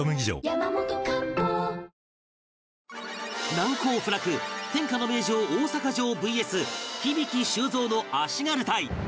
難攻不落天下の名城大阪城 ＶＳ 響大・修造の足軽隊